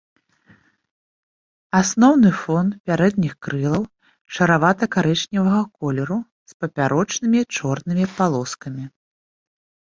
Асноўны фон пярэдніх крылаў шаравата-карычневага колеру з папярочнымі чорнымі палоскамі.